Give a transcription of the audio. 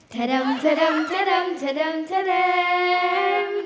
ทะด่ำทะด่ำทะด่ำทะด่ำทะด่ำ